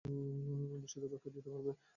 বিষয়টার ব্যাখ্যা দিতে পারবে?